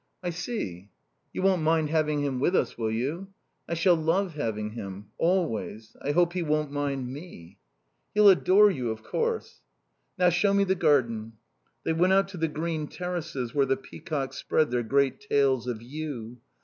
"I see." "You won't mind having him with us, will you?" "I shall love having him. Always. I hope he won't mind me." "He'll adore you, of course." "Now show me the garden." They went out on to the green terraces where the peacocks spread their great tails of yew.